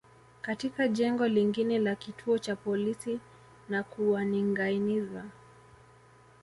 katika jengo lingine la kituo cha polisi na kuwaningâiniza